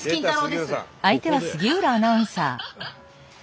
です。